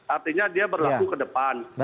artinya dia berlaku ke depan